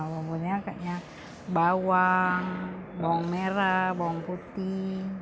bumbunya kayaknya bawang bawang merah bawang putih